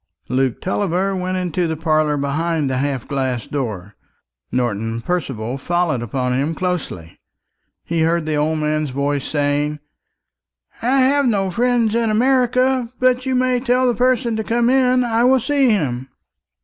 Luke Tulliver went into the parlour behind the half glass door, Norton Percival following upon him closely. He heard the old man's voice saying, "I have no friend in America; but you may tell the person to come in; I will see him."